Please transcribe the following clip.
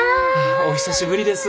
お久しぶりです。